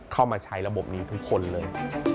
เข้ามาใช้ระบบนี้ทุกคนเลย